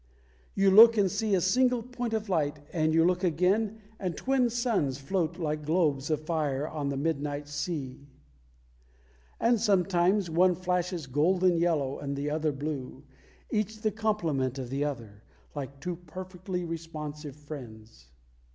You look and see a single point of light, and you look again and twin suns float like globes of fire on a midnight sea; and sometimes one flashes golden yellow and the other blue, each the complement of the other, like two perfectly responsive friends.